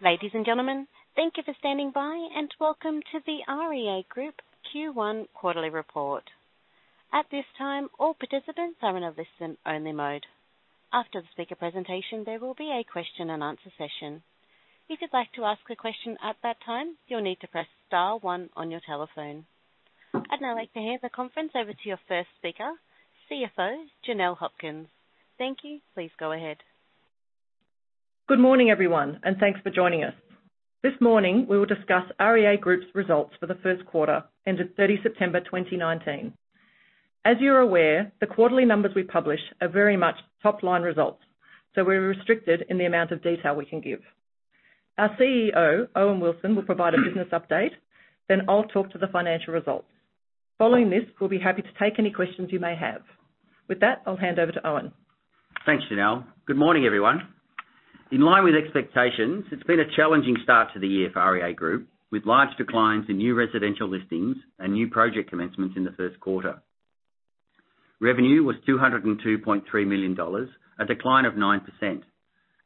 Ladies and gentlemen, thank you for standing by, and welcome to the REA Group Q1 quarterly report. At this time, all participants are in a listen-only mode. After the speaker presentation, there will be a question-and-answer session. If you'd like to ask a question at that time, you'll need to press *1 on your telephone. I'd now like to hand the conference over to your first speaker, CFO Janelle Hopkins. Thank you, please go ahead. Good morning, everyone, and thanks for joining us. This morning, we will discuss REA Group's results for the first quarter, ended 30th September 2019. As you're aware, the quarterly numbers we publish are very much top-line results, so we're restricted in the amount of detail we can give. Our CEO, Owen Wilson, will provide a business update, then I'll talk to the financial results. Following this, we'll be happy to take any questions you may have. With that, I'll hand over to Owen. Thanks, Janelle. Good morning, everyone. In line with expectations, it's been a challenging start to the year for REA Group, with large declines in new residential listings and new project commencements in the first quarter. Revenue was 202.3 million dollars, a decline of 9%,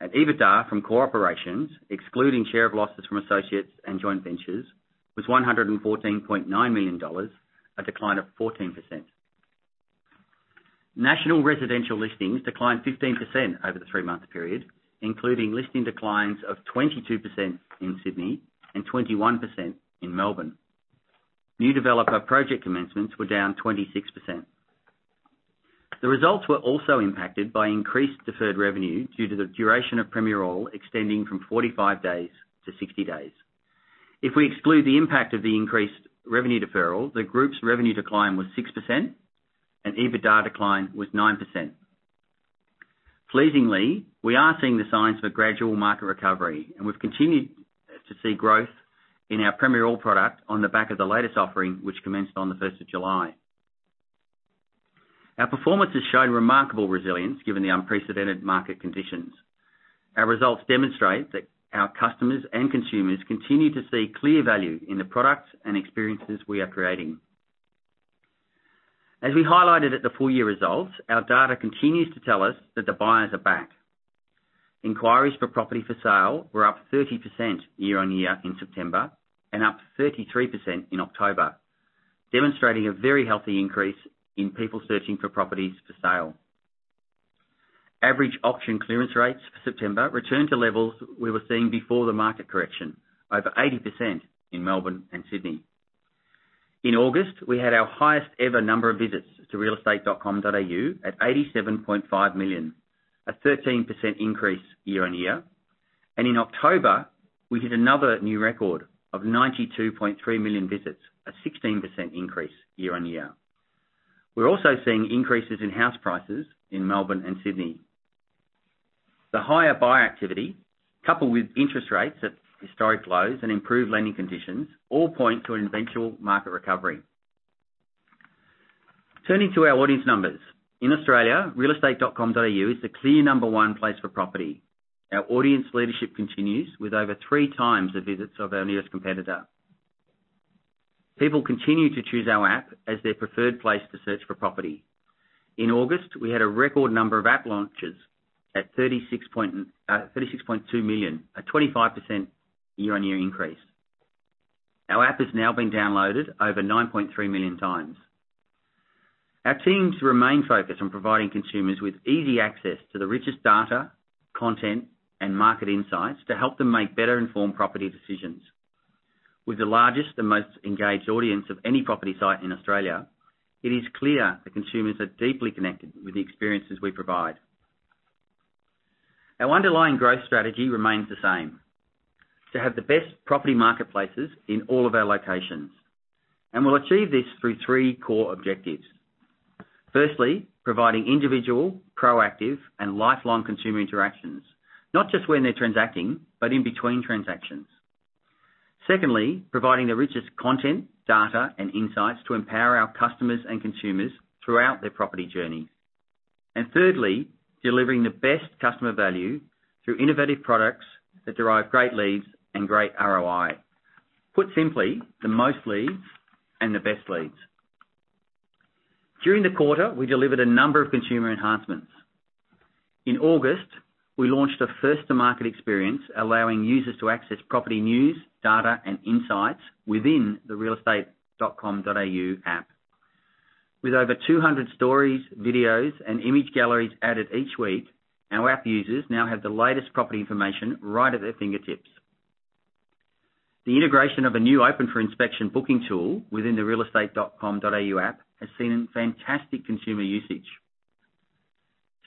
and EBITDA from core operations, excluding share of losses from associates and joint ventures, was 114.9 million dollars, a decline of 14%. National residential listings declined 15% over the three-month period, including listing declines of 22% in Sydney and 21% in Melbourne. New developer project commencements were down 26%. The results were also impacted by increased deferred revenue due to the duration of Premiere All extending from 45 days to 60 days. If we exclude the impact of the increased revenue deferral, the Group's revenue decline was 6%, and EBITDA decline was 9%. Pleasingly, we are seeing the signs for gradual market recovery, and we've continued to see growth in our Pre-Roll product on the back of the latest offering, which commenced on the 1st of July. Our performance has shown remarkable resilience given the unprecedented market conditions. Our results demonstrate that our customers and consumers continue to see clear value in the products and experiences we are creating. As we highlighted at the full-year results, our data continues to tell us that the buyers are back. Inquiries for property for sale were up 30% year-on-year in September and up 33% in October, demonstrating a very healthy increase in people searching for properties for sale. Average auction clearance rates for September returned to levels we were seeing before the market correction, over 80% in Melbourne and Sydney. In August, we had our highest-ever number of visits to realestate.com.au at 87.5 million, a 13% increase year-on-year, and in October, we hit another new record of 92.3 million visits, a 16% increase year-on-year. We are also seeing increases in house prices in Melbourne and Sydney. The higher buyer activity, coupled with interest rates at historic lows and improved lending conditions, all point to an eventual market recovery. Turning to our audience numbers, in Australia, realestate.com.au is the clear number one place for property. Our audience leadership continues with over three times the visits of our nearest competitor. People continue to choose our app as their preferred place to search for property. In August, we had a record number of app launches at 36.2 million, a 25% year-on-year increase. Our app has now been downloaded over 9.3 million times. Our teams remain focused on providing consumers with easy access to the richest data, content, and market insights to help them make better-informed property decisions. With the largest and most engaged audience of any property site in Australia, it is clear that consumers are deeply connected with the experiences we provide. Our underlying growth strategy remains the same: to have the best property marketplaces in all of our locations, and we will achieve this through three core objectives. Firstly, providing individual, proactive, and lifelong consumer interactions, not just when they are transacting, but in between transactions. Secondly, providing the richest content, data, and insights to empower our customers and consumers throughout their property journey. Thirdly, delivering the best customer value through innovative products that derive great leads and great ROI. Put simply, the most leads and the best leads. During the quarter, we delivered a number of consumer enhancements. In August, we launched a first-to-market experience allowing users to access property news, data, and insights within the realestate.com.au app. With over 200 stories, videos, and image galleries added each week, our app users now have the latest property information right at their fingertips. The integration of a new open-for-inspection booking tool within the realestate.com.au app has seen fantastic consumer usage.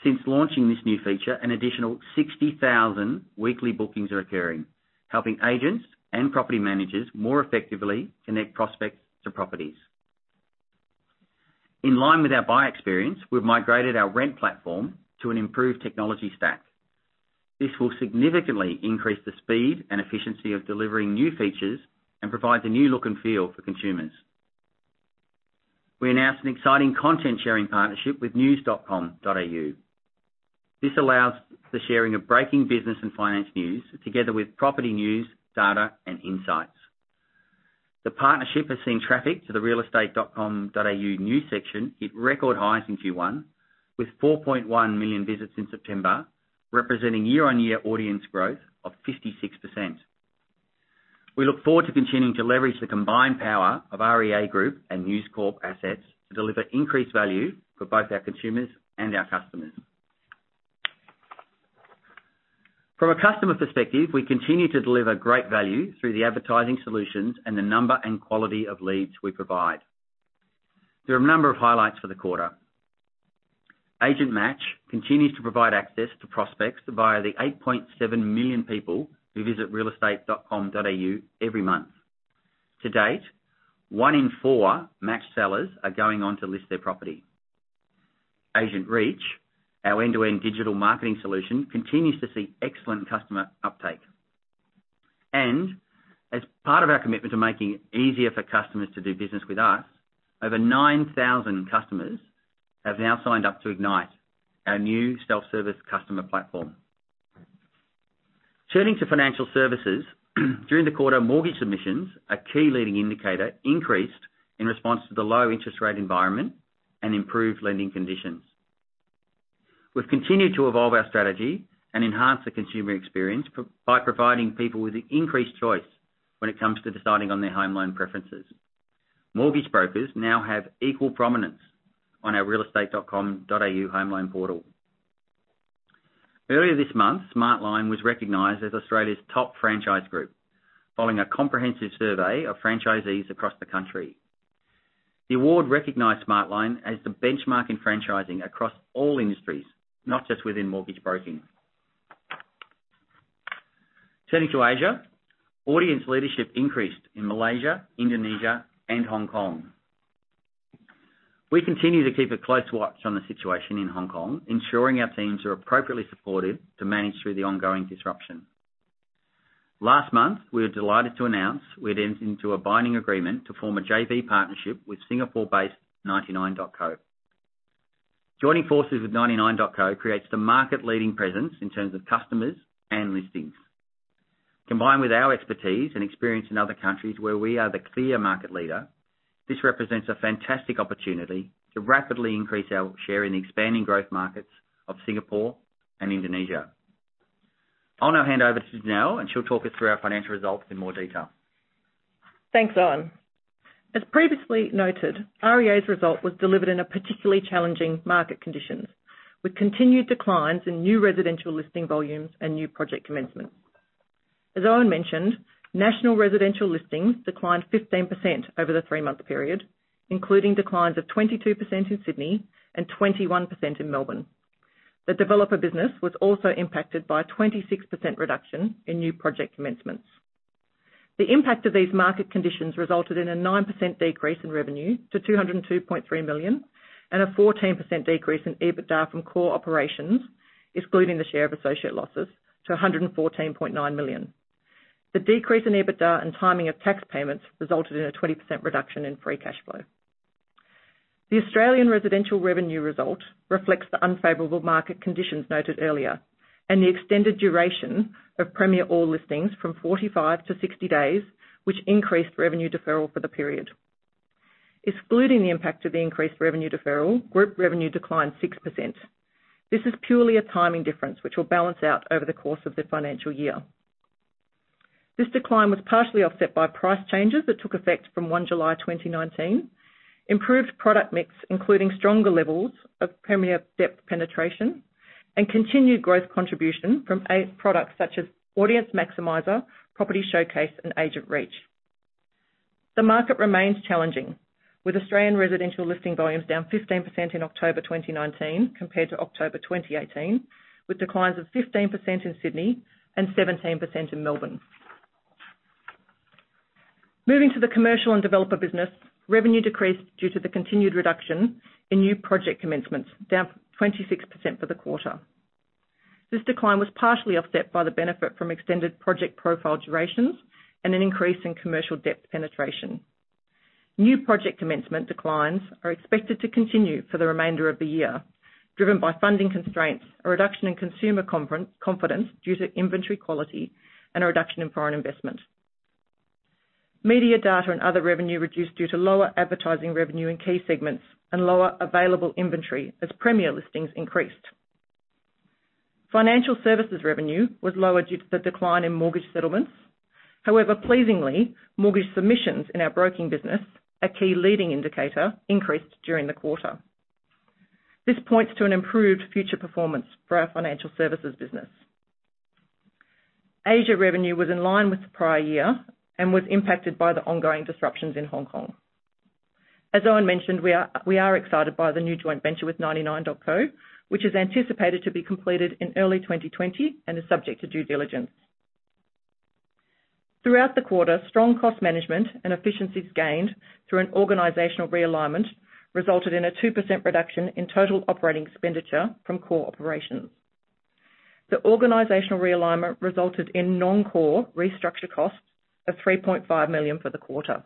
Since launching this new feature, an additional 60,000 weekly bookings are occurring, helping agents and property managers more effectively connect prospects to properties. In line with our buyer experience, we've migrated our rent platform to an improved technology stack. This will significantly increase the speed and efficiency of delivering new features and provide a new look and feel for consumers. We announced an exciting content-sharing partnership with news.com.au. This allows the sharing of breaking business and finance news together with property news, data, and insights. The partnership has seen traffic to the realestate.com.au news section hit record highs in Q1, with 4.1 million visits in September, representing year-on-year audience growth of 56%. We look forward to continuing to leverage the combined power of REA Group and News Corp assets to deliver increased value for both our consumers and our customers. From a customer perspective, we continue to deliver great value through the advertising solutions and the number and quality of leads we provide. There are a number of highlights for the quarter. Agent Match continues to provide access to prospects via the 8.7 million people who visit realestate.com.au every month. To date, one in four match sellers are going on to list their property. Agent Reach, our end-to-end digital marketing solution, continues to see excellent customer uptake. As part of our commitment to making it easier for customers to do business with us, over 9,000 customers have now signed up to Ignite, our new self-service customer platform. Turning to financial services, during the quarter, mortgage submissions, a key leading indicator, increased in response to the low interest rate environment and improved lending conditions. We have continued to evolve our strategy and enhance the consumer experience by providing people with increased choice when it comes to deciding on their home loan preferences. Mortgage brokers now have equal prominence on our realestate.com.au home loan portal. Earlier this month, Smartline was recognized as Australia's top franchise group, following a comprehensive survey of franchisees across the country. The award recognized Smartline as the benchmark in franchising across all industries, not just within mortgage broking. Turning to Asia, audience leadership increased in Malaysia, Indonesia, and Hong Kong. We continue to keep a close watch on the situation in Hong Kong, ensuring our teams are appropriately supported to manage through the ongoing disruption. Last month, we were delighted to announce we had entered into a binding agreement to form a JV partnership with Singapore-based 99.co. Joining forces with 99.co creates the market-leading presence in terms of customers and listings. Combined with our expertise and experience in other countries where we are the clear market leader, this represents a fantastic opportunity to rapidly increase our share in the expanding growth markets of Singapore and Indonesia. I'll now hand over to Janelle, and she'll talk us through our financial results in more detail. Thanks, Owen. As previously noted, REA's result was delivered in particularly challenging market conditions, with continued declines in new residential listing volumes and new project commencements. As Owen mentioned, national residential listings declined 15% over the three-month period, including declines of 22% in Sydney and 21% in Melbourne. The developer business was also impacted by a 26% reduction in new project commencements. The impact of these market conditions resulted in a 9% decrease in revenue to 202.3 million and a 14% decrease in EBITDA from core operations, excluding the share of associate losses, to 114.9 million. The decrease in EBITDA and timing of tax payments resulted in a 20% reduction in free cash flow. The Australian residential revenue result reflects the unfavorable market conditions noted earlier and the extended duration of Premiere All listings from 45 to 60 days, which increased revenue deferral for the period. Excluding the impact of the increased revenue deferral, group revenue declined 6%. This is purely a timing difference, which will balance out over the course of the financial year. This decline was partially offset by price changes that took effect from 1 July 2019, improved product mix, including stronger levels of Premiere depth penetration, and continued growth contribution from eight products such as Audience Maximiser, Property Showcase, and Agent Reach. The market remains challenging, with Australian residential listing volumes down 15% in October 2019 compared to October 2018, with declines of 15% in Sydney and 17% in Melbourne. Moving to the commercial and developer business, revenue decreased due to the continued reduction in new project commencements, down 26% for the quarter. This decline was partially offset by the benefit from extended project profile durations and an increase in commercial depth penetration. New project commencement declines are expected to continue for the remainder of the year, driven by funding constraints, a reduction in consumer confidence due to inventory quality, and a reduction in foreign investment. Media, data, and other revenue reduced due to lower advertising revenue in key segments and lower available inventory as Premiere listings increased. Financial services revenue was lower due to the decline in mortgage settlements. However, pleasingly, mortgage submissions in our broking business, a key leading indicator, increased during the quarter. This points to an improved future performance for our financial services business. Asia revenue was in line with the prior year and was impacted by the ongoing disruptions in Hong Kong. As Owen mentioned, we are excited by the new joint venture with 99.co, which is anticipated to be completed in early 2020 and is subject to due diligence. Throughout the quarter, strong cost management and efficiencies gained through an organizational realignment resulted in a 2% reduction in total operating expenditure from core operations. The organizational realignment resulted in non-core restructure costs of 3.5 million for the quarter.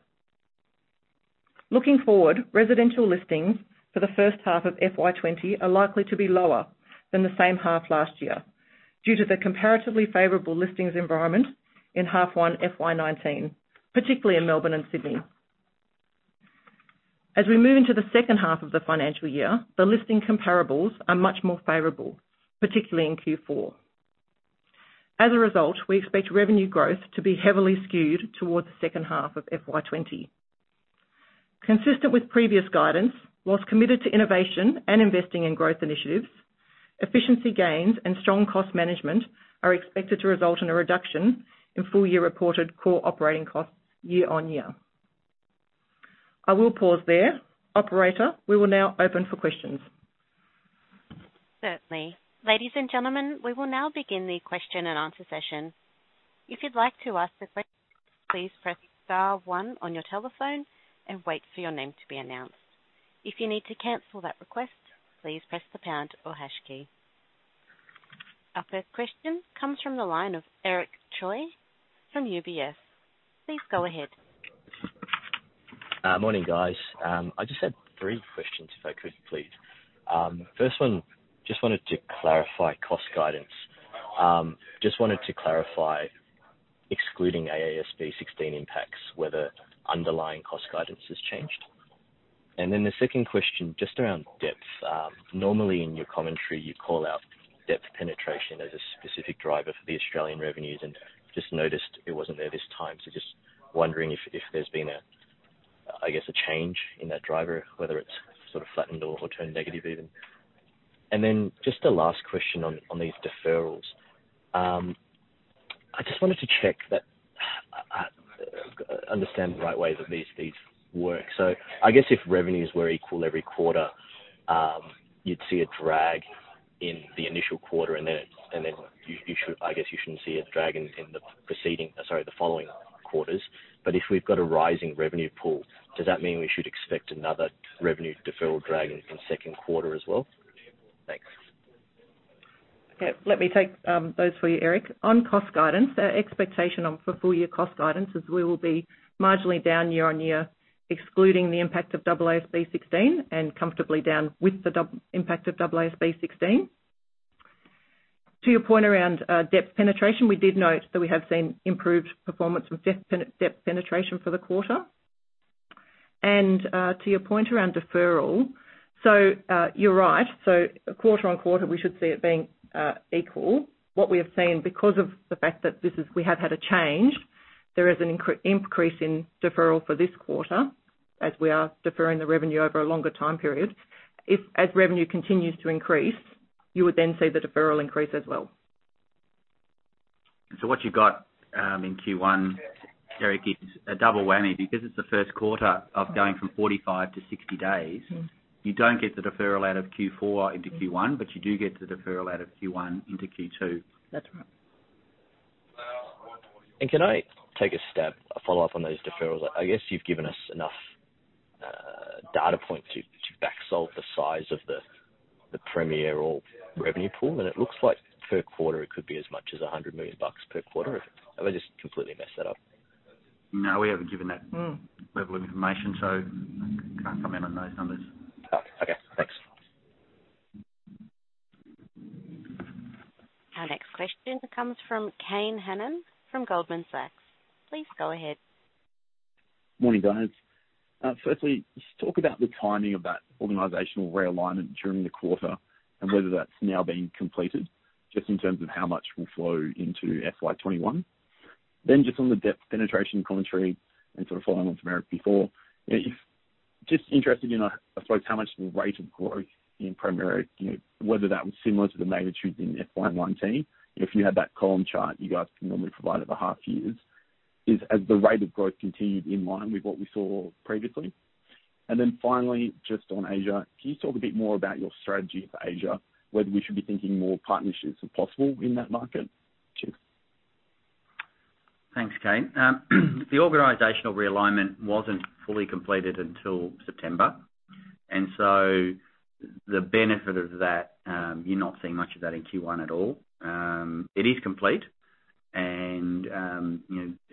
Looking forward, residential listings for the first half of FY 2020 are likely to be lower than the same half last year due to the comparatively favorable listings environment in half one FY 2019, particularly in Melbourne and Sydney. As we move into the second half of the financial year, the listing comparables are much more favorable, particularly in Q4. As a result, we expect revenue growth to be heavily skewed towards the second half of FY 2020. Consistent with previous guidance, whilst committed to innovation and investing in growth initiatives, efficiency gains and strong cost management are expected to result in a reduction in full-year reported core operating costs year-on-year. I will pause there. Operator, we will now open for questions. Certainly. Ladies and gentlemen, we will now begin the question and answer session. If you'd like to ask a question, please press star one on your telephone and wait for your name to be announced. If you need to cancel that request, please press the pound or hash key. Our first question comes from the line of Eric Choi from UBS. Please go ahead. Morning, guys. I just had three questions, if I could, please. First one, just wanted to clarify cost guidance. Just wanted to clarify, excluding AASB 16 impacts, whether underlying cost guidance has changed. The second question, just around depth. Normally, in your commentary, you call out depth penetration as a specific driver for the Australian revenues, and just noticed it was not there this time. Just wondering if there has been, I guess, a change in that driver, whether it has sort of flattened or turned negative even. The last question on these deferrals. I just wanted to check that I understand the right way that these work. I guess if revenues were equal every quarter, you would see a drag in the initial quarter, and then I guess you should not see a drag in the following quarters. If we've got a rising revenue pool, does that mean we should expect another revenue deferral drag in the second quarter as well? Thanks. Okay. Let me take those for you, Eric. On cost guidance, our expectation for full-year cost guidance is we will be marginally down year-on-year, excluding the impact of AASB 16, and comfortably down with the impact of AASB 16. To your point around depth penetration, we did note that we have seen improved performance from depth penetration for the quarter. To your point around deferral, you are right. Quarter on quarter, we should see it being equal. What we have seen, because of the fact that we have had a change, there is an increase in deferral for this quarter as we are deferring the revenue over a longer time period. If revenue continues to increase, you would then see the deferral increase as well. What you got in Q1, Eric, is a double whammy because it's the first quarter of going from 45 to 60 days. You don't get the deferral out of Q4 into Q1, but you do get the deferral out of Q1 into Q2. That's right. Can I take a step, a follow-up on those deferrals? I guess you've given us enough data points to back-solve the size of the Premiere All revenue pool, and it looks like per quarter it could be as much as 100 million bucks per quarter. Have I just completely messed that up? No, we haven't given that level of information, so I can't comment on those numbers. Okay. Thanks. Our next question comes from Kane Hannan from Goldman Sachs. Please go ahead. Morning, guys. Firstly, let's talk about the timing of that organizational realignment during the quarter and whether that's now being completed, just in terms of how much will flow into FY 2021. Just on the depth penetration commentary and sort of following on from Eric before, just interested in, I suppose, how much the rate of growth in Premiere, whether that was similar to the magnitude in FY 2019. If you had that column chart you guys can normally provide over half years, is the rate of growth continued in line with what we saw previously? Finally, just on Asia, can you talk a bit more about your strategy for Asia, whether we should be thinking more partnerships if possible in that market? Thanks, Kane. The organizational realignment was not fully completed until September, and so the benefit of that, you are not seeing much of that in Q1 at all. It is complete, and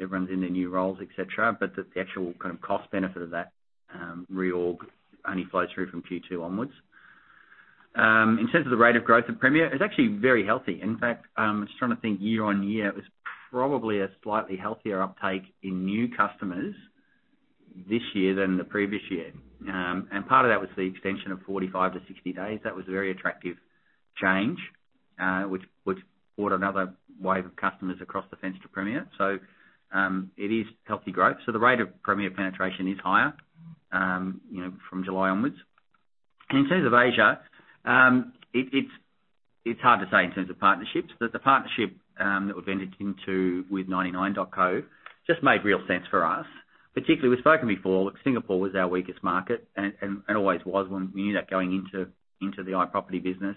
everyone's in their new roles, etc., but the actual kind of cost benefit of that reorg only flows through from Q2 onwards. In terms of the rate of growth of Premiere, it is actually very healthy. In fact, I am just trying to think year-on-year, it was probably a slightly healthier uptake in new customers this year than the previous year. Part of that was the extension of 45 to 60 days. That was a very attractive change, which brought another wave of customers across the fence to Premiere. It is healthy growth. The rate of Premiere penetration is higher from July onwards. In terms of Asia, it is hard to say in terms of partnerships. The partnership that we've entered into with 99.co just made real sense for us. Particularly, we've spoken before, Singapore was our weakest market and always was when we knew that going into the iProperty business.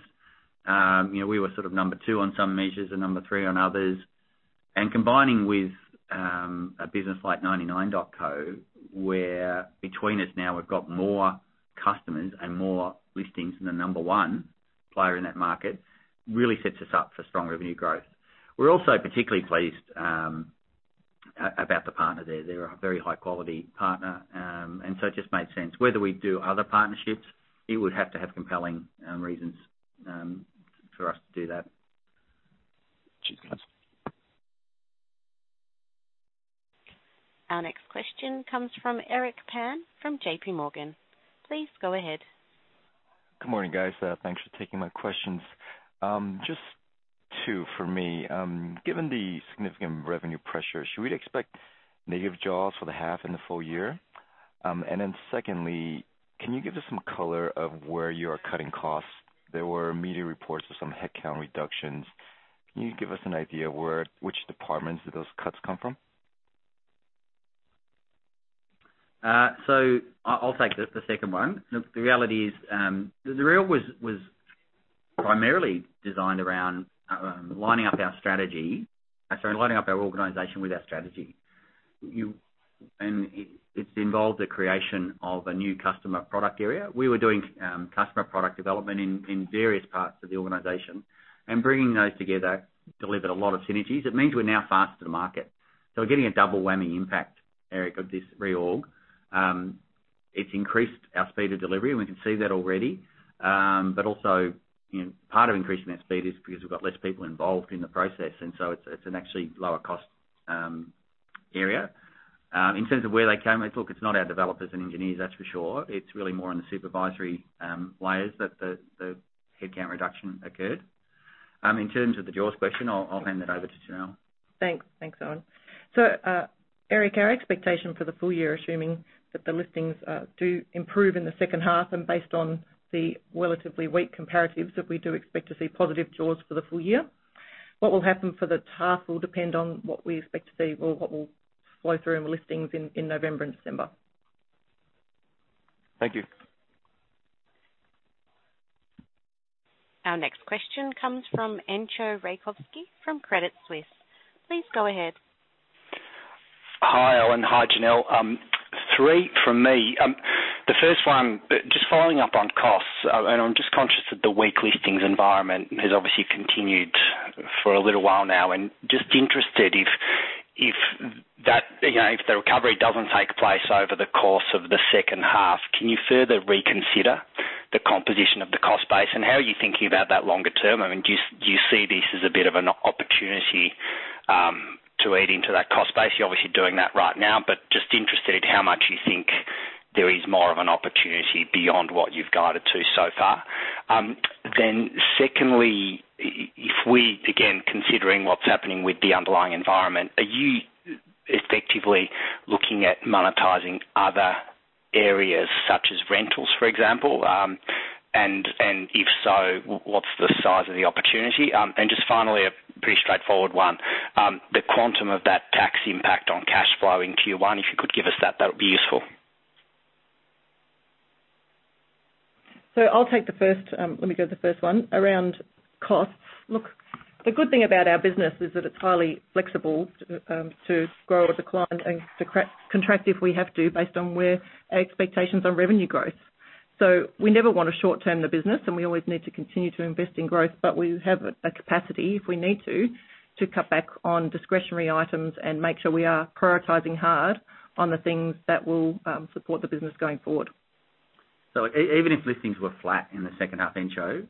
We were sort of number two on some measures and number three on others. Combining with a business like 99.co, where between us now we've got more customers and more listings than the number one player in that market, really sets us up for strong revenue growth. We're also particularly pleased about the partner there. They're a very high-quality partner, and so it just made sense. Whether we do other partnerships, it would have to have compelling reasons for us to do that. Cheers, guys. Our next question comes from Eric Pan from JP Morgan. Please go ahead. Good morning, guys. Thanks for taking my questions. Just two for me. Given the significant revenue pressure, should we expect negative jobs for the half and the full year? Secondly, can you give us some color of where you are cutting costs? There were media reports of some headcount reductions. Can you give us an idea of which departments those cuts come from? I'll take the second one. The reality is the reorg was primarily designed around lining up our strategy—sorry, lining up our organization with our strategy. It has involved the creation of a new customer product area. We were doing customer product development in various parts of the organization, and bringing those together delivered a lot of synergies. It means we're now faster to market. We're getting a double whammy impact, Eric, of this reorg. It's increased our speed of delivery, and we can see that already. Also, part of increasing that speed is because we've got fewer people involved in the process, and so it's an actually lower-cost area. In terms of where they came, look, it's not our developers and engineers, that's for sure. It's really more in the supervisory layers that the headcount reduction occurred. In terms of the jaws question, I'll hand that over to Janelle. Thanks. Thanks, Owen. Eric, our expectation for the full year, assuming that the listings do improve in the second half and based on the relatively weak comparatives, is that we do expect to see positive jaws for the full year. What will happen for the half will depend on what we expect to see or what will flow through in the listings in November and December. Thank you. Our next question comes from Entcho Raykovski from Credit Suisse. Please go ahead. Hi, Owen. Hi, Janelle. Three from me. The first one, just following up on costs, and I'm just conscious that the weak listings environment has obviously continued for a little while now. I'm just interested if the recovery doesn't take place over the course of the second half, can you further reconsider the composition of the cost base? How are you thinking about that longer term? I mean, do you see this as a bit of an opportunity to add into that cost base? You're obviously doing that right now, but just interested in how much you think there is more of an opportunity beyond what you've guided to so far. Secondly, if we, again, considering what's happening with the underlying environment, are you effectively looking at monetizing other areas such as rentals, for example? If so, what's the size of the opportunity? Just finally, a pretty straightforward one, the quantum of that tax impact on cash flow in Q1, if you could give us that, that would be useful. I'll take the first—let me go to the first one—around costs. Look, the good thing about our business is that it's highly flexible to grow or decline and to contract if we have to based on our expectations on revenue growth. We never want to short-term the business, and we always need to continue to invest in growth, but we have a capacity, if we need to, to cut back on discretionary items and make sure we are prioritizing hard on the things that will support the business going forward. Even if listings were flat in the second half, Entcho,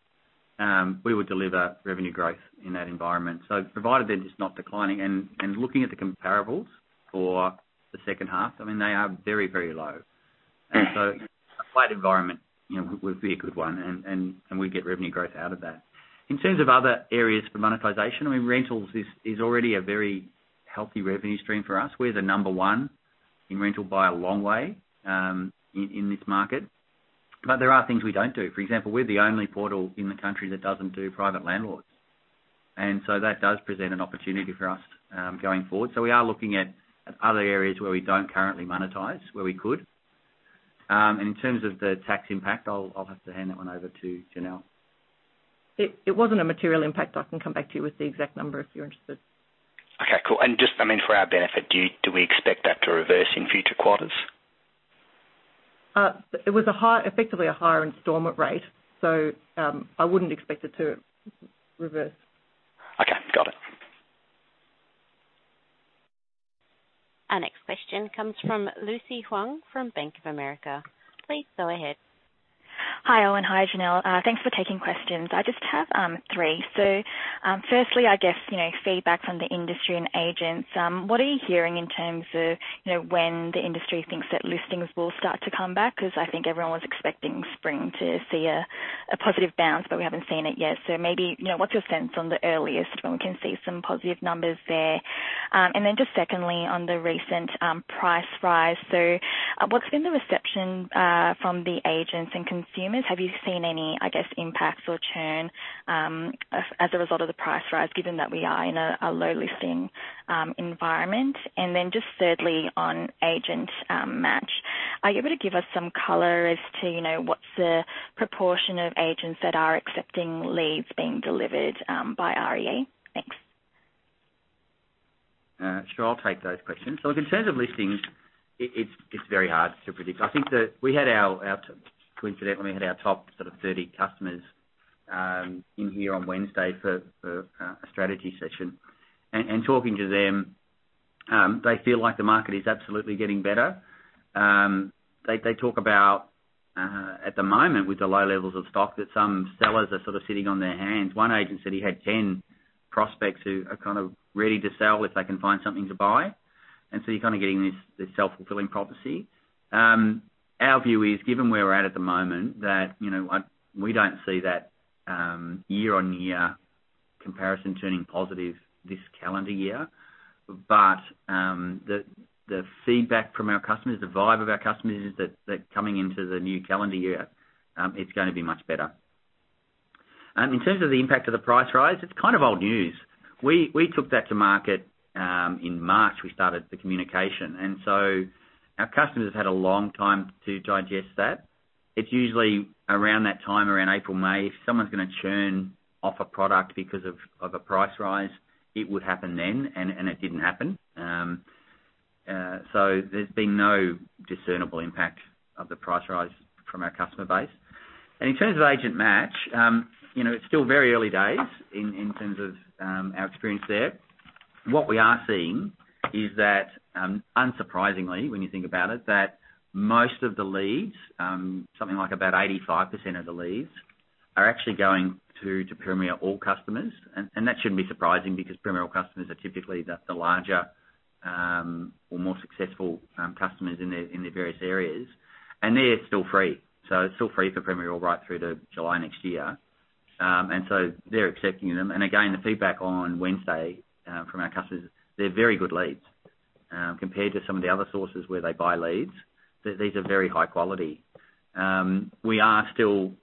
we would deliver revenue growth in that environment. Provided they are just not declining and looking at the comparables for the second half, I mean, they are very, very low. A flat environment would be a good one, and we get revenue growth out of that. In terms of other areas for monetization, I mean, rentals is already a very healthy revenue stream for us. We are the number one in rental by a long way in this market. There are things we do not do. For example, we are the only portal in the country that does not do private landlords. That does present an opportunity for us going forward. We are looking at other areas where we do not currently monetize, where we could. In terms of the tax impact, I'll have to hand that one over to Janelle. It wasn't a material impact. I can come back to you with the exact number if you're interested. Okay. Cool. And just, I mean, for our benefit, do we expect that to reverse in future quarters? It was effectively a higher installment rate, so I wouldn't expect it to reverse. Okay. Got it. Our next question comes from Lucy Huang from Bank of America. Please go ahead. Hi, Owen. Hi, Janelle. Thanks for taking questions. I just have three. Firstly, I guess feedback from the industry and agents. What are you hearing in terms of when the industry thinks that listings will start to come back? I think everyone was expecting spring to see a positive bounce, but we have not seen it yet. Maybe what is your sense on the earliest when we can see some positive numbers there? Secondly, on the recent price rise, what has been the reception from the agents and consumers? Have you seen any impacts or churn as a result of the price rise, given that we are in a low-listing environment? Thirdly, on Agent Match, are you able to give us some color as to what is the proportion of agents that are accepting leads being delivered by REA? Thanks. Sure. I'll take those questions. In terms of listings, it's very hard to predict. I think that we had our, coincidentally, we had our top sort of 30 customers in here on Wednesday for a strategy session. Talking to them, they feel like the market is absolutely getting better. They talk about, at the moment, with the low levels of stock, that some sellers are sort of sitting on their hands. One agent said he had 10 prospects who are kind of ready to sell if they can find something to buy. You are kind of getting this self-fulfilling prophecy. Our view is, given where we're at at the moment, that we do not see that year-on-year comparison turning positive this calendar year. The feedback from our customers, the vibe of our customers is that coming into the new calendar year, it is going to be much better. In terms of the impact of the price rise, it's kind of old news. We took that to market in March. We started the communication. Our customers have had a long time to digest that. It's usually around that time, around April, May, if someone's going to churn off a product because of a price rise, it would happen then, and it didn't happen. There has been no discernible impact of the price rise from our customer base. In terms of Agent Match, it's still very early days in terms of our experience there. What we are seeing is that, unsurprisingly, when you think about it, most of the leads, something like about 85% of the leads, are actually going to Premiere all customers. That shouldn't be surprising because Premiere all customers are typically the larger or more successful customers in their various areas. They're still free. It's still free for Premiere all right through to July next year. They're accepting them. Again, the feedback on Wednesday from our customers is they're very good leads. Compared to some of the other sources where they buy leads, these are very high quality. We only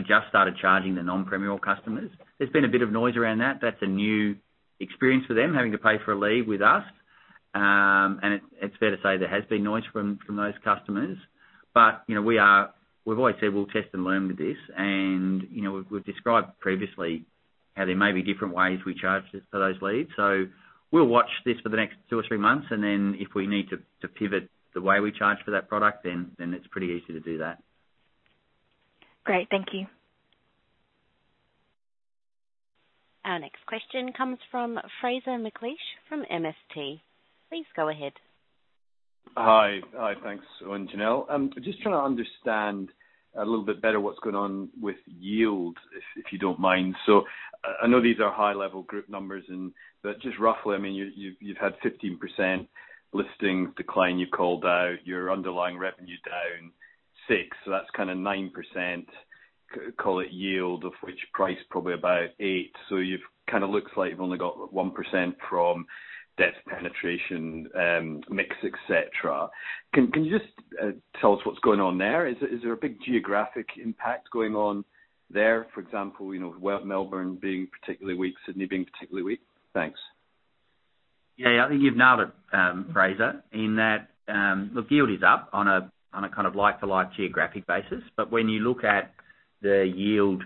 just started charging the non-Premiere all customers. There's been a bit of noise around that. That's a new experience for them, having to pay for a lead with us. It's fair to say there has been noise from those customers. We've always said we'll test and learn with this. We've described previously how there may be different ways we charge for those leads. We'll watch this for the next two or three months, and then if we need to pivot the way we charge for that product, then it's pretty easy to do that. Great. Thank you. Our next question comes from Fraser McLeish from MST. Please go ahead. Hi. Thanks, Owen and Janelle. I'm just trying to understand a little bit better what's going on with yield, if you don't mind. I know these are high-level group numbers, but just roughly, I mean, you've had 15% listings decline. You called out your underlying revenue down 6%. That's kind of 9%, call it yield, of which price probably about 8%. It kind of looks like you've only got 1% from depth penetration, mix, etc. Can you just tell us what's going on there? Is there a big geographic impact going on there, for example, Melbourne being particularly weak, Sydney being particularly weak? Thanks. Yeah. I think you've nailed it, Fraser, in that, look, yield is up on a kind of like-for-like geographic basis. When you look at the yield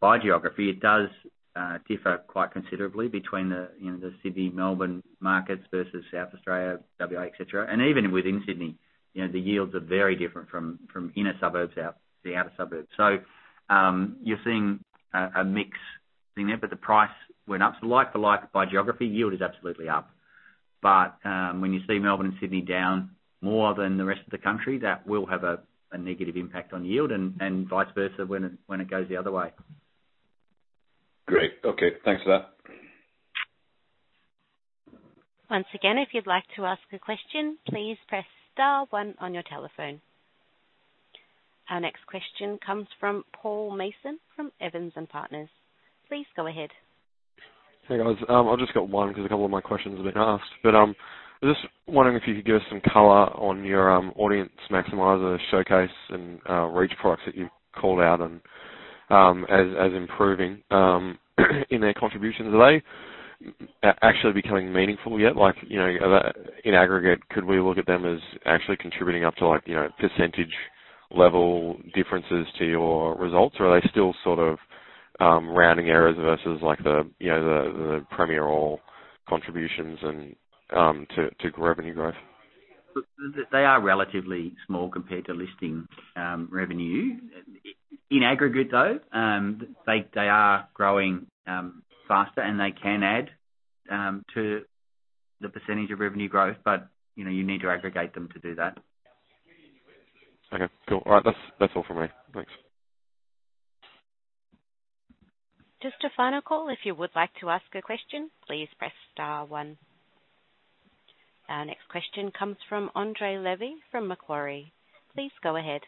by geography, it does differ quite considerably between the Sydney, Melbourne markets versus South Australia, WA, etc. Even within Sydney, the yields are very different from inner suburbs out to outer suburbs. You're seeing a mix thing there, but the price went up. Like-for-like by geography, yield is absolutely up. When you see Melbourne and Sydney down more than the rest of the country, that will have a negative impact on yield and vice versa when it goes the other way. Great. Okay. Thanks for that. Once again, if you'd like to ask a question, please press star one on your telephone. Our next question comes from Paul Mason from Evans & Partners. Please go ahead. Hey, guys. I've just got one because a couple of my questions have been asked. I was just wondering if you could give us some color on your Audience Maximiser, Showcase, and Reach products that you've called out as improving in their contributions. Are they actually becoming meaningful yet? In aggregate, could we look at them as actually contributing up to percentage-level differences to your results, or are they still sort of rounding errors versus the Premiere All contributions to revenue growth? They are relatively small compared to listing revenue. In aggregate, though, they are growing faster, and they can add to the percentage of revenue growth, but you need to aggregate them to do that. Okay. Cool. All right. That's all from me. Thanks. Just a final call. If you would like to ask a question, please press star one. Our next question comes from Andrew Levy from Macquarie. Please go ahead.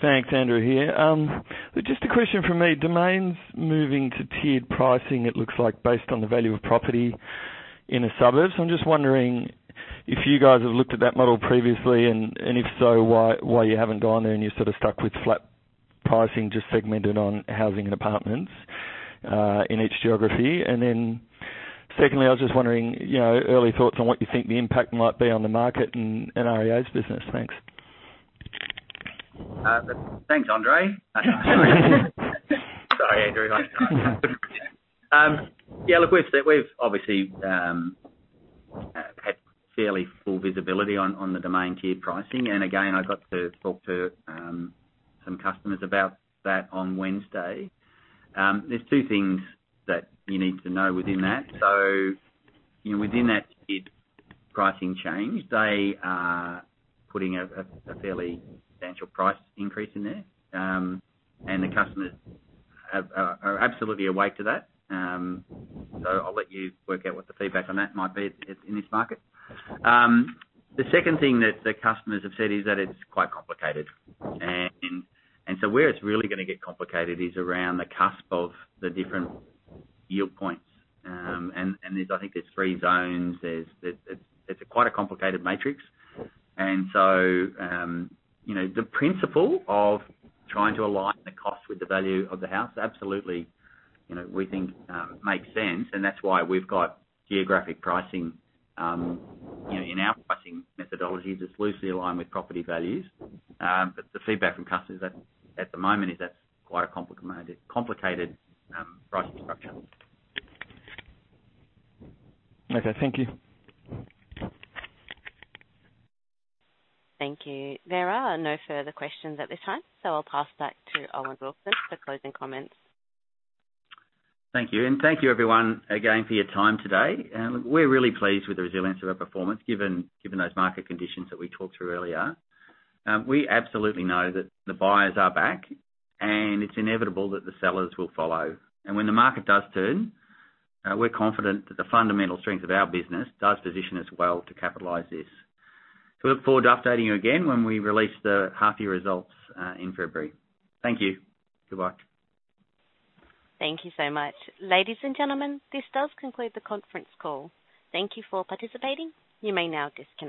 Thanks, Andrew here. Just a question from me. Domains moving to tiered pricing, it looks like, based on the value of property in a suburb. I'm just wondering if you guys have looked at that model previously, and if so, why you haven't gone there, and you're sort of stuck with flat pricing just segmented on housing and apartments in each geography. Secondly, I was just wondering early thoughts on what you think the impact might be on the market and REA's business. Thanks. Thanks, Andre. Sorry, Andrew. Yeah. Look, we've obviously had fairly full visibility on the Domain tiered pricing. I got to talk to some customers about that on Wednesday. There are two things that you need to know within that. Within that tiered pricing change, they are putting a fairly substantial price increase in there, and the customers are absolutely awake to that. I'll let you work out what the feedback on that might be in this market. The second thing that the customers have said is that it's quite complicated. Where it's really going to get complicated is around the cost of the different yield points. I think there are three zones. It's quite a complicated matrix. The principle of trying to align the cost with the value of the house absolutely we think makes sense. That's why we've got geographic pricing in our pricing methodology that's loosely aligned with property values. But the feedback from customers at the moment is that's quite a complicated pricing structure. Okay. Thank you. Thank you. There are no further questions at this time, so I'll pass back to Owen Wilson for closing comments. Thank you. Thank you, everyone, again for your time today. We're really pleased with the resilience of our performance given those market conditions that we talked through earlier. We absolutely know that the buyers are back, and it's inevitable that the sellers will follow. When the market does turn, we're confident that the fundamental strength of our business does position us well to capitalize this. We look forward to updating you again when we release the half-year results in February. Thank you. Goodbye. Thank you so much. Ladies and gentlemen, this does conclude the conference call. Thank you for participating. You may now disconnect.